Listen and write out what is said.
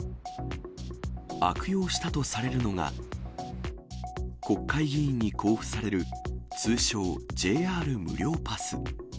悪用したとされるのが、国会議員に交付される、通称、ＪＲ無料パス。